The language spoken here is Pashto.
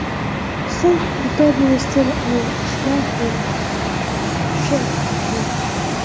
خلکو کتاب ولوست او اخلاق یې ښه شول.